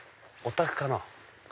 お宅かな？